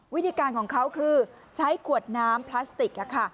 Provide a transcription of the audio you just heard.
วิธีการของเขาคือใช้ขวดน้ำพลาสติก